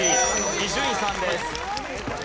伊集院さんです。